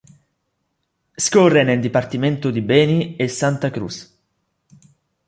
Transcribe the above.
Scorre nel Dipartimento di Beni e Santa Cruz.